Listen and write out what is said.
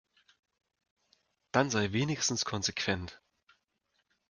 Dann sei wenigstens konsequent.